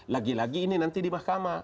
lagi lagi ini nanti di mahkamah